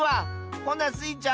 ほなスイちゃん